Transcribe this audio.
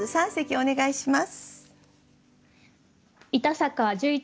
お願いいたします。